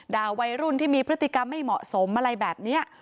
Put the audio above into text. ด่าวัยรุ่นที่มีพฤติกรรมไม่เหมาะสมอะไรแบบนี้